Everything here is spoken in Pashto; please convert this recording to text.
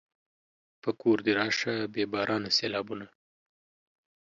په کور دې راشه بې بارانه سېلابونه